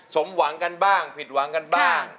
สมหวังกันบ้างผิดหวังกันบ้าง